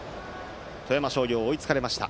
富山商業は追いつかれました。